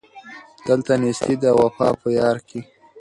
دلته نېستي ده وفا په یار کي